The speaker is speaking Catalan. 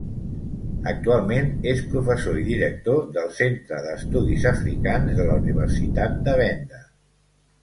Actualment és professor i director del Centre d'Estudis Africans de la Universitat de Venda.